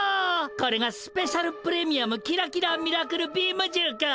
これがスペシャル・プレミアムキラキラ・ミラクル・ビームじゅうか。